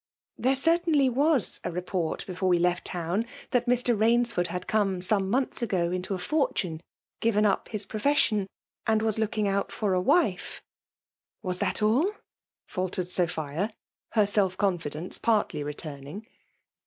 There certainly was a report before we left town, that Mr. Baimftxrd had eome some months ago into a fortnne, given up his profession^ and was look* iz^ out for a wife." ''Was tkU aUr faltered Sophia, herself cesAdenee partly returning.